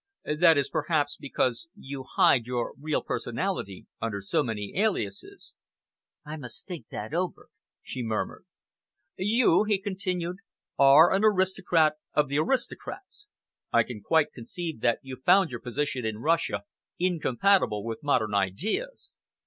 "That is perhaps because you hide your real personality under so many aliases." "I must think that over," she murmured. "You," he continued, "are an aristocrat of the aristocrats. I can quite conceive that you found your position in Russia incompatible with modern ideas.